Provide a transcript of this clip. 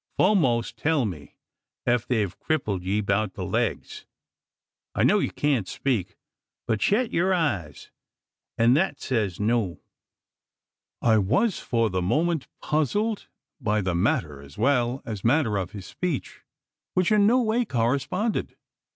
Fo'most tell me, ef they've krippled ye 'beout the legs? I know ye can't speak; but shet yeer eyes, an' thet says `No.'" I was for the moment puzzled, by the matter as well as manner of his speech, which in no way corresponded.